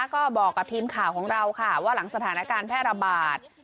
ก็บอกกับทีมข่าวของเราค่ะว่าหลังสถานการณ์แพร่ระบาด